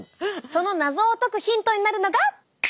その謎を解くヒントになるのが。